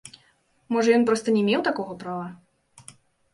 Можа, ён проста не меў такога права?